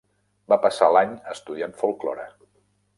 Va passar l'any estudiant folklore.